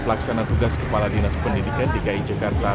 pelaksana tugas kepala dinas pendidikan dki jakarta